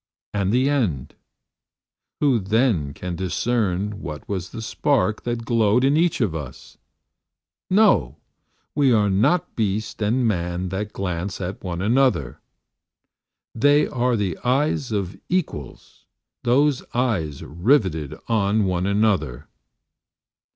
... And the end! Who then can discern what was the spark that glowed in each of us? No! We are not beast and man that glance at one another. ... They are the eyes of equals, those eyes riveted on one another.